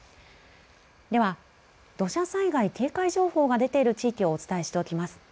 では土砂災害警戒情報が出ている地域をお伝えしていきます。